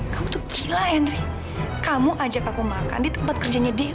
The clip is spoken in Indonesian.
kamu tuh gila henry kamu ajak aku makan di tempat kerjanya dia